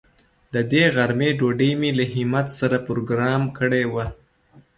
د دې غرمې ډوډۍ مې له همت سره پروگرام کړې وه.